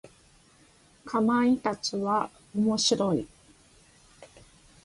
かまいたちは面白い。